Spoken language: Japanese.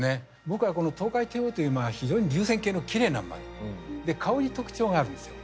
僕はこのトウカイテイオーというまあ非常に流線型のきれいな馬でで顔に特徴があるんですよ。